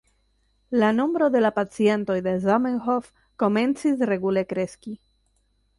La nombro de la pacientoj de Zamenhof komencis regule kreski.